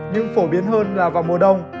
nhưng phổ biến hơn là vào mùa đông